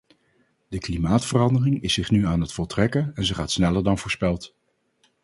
De klimaatverandering is zich nu aan het voltrekken en ze gaat sneller dan voorspeld.